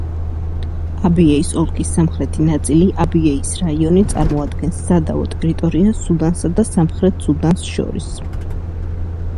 აბიეის ოლქის სამხრეთი ნაწილი აბიეის რაიონი წარმოადგენს სადავო ტერიტორიას სუდანსა და სამხრეთ სუდანს შორის.